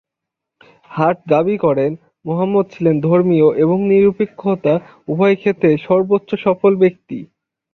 Heart দাবি করেন, মুহাম্মাদ ছিলেন ধর্মীয় এবং ধর্মনিরপেক্ষতা উভয়ক্ষেত্রেই "সর্ব্বোচ্চ সফল" ব্যক্তি।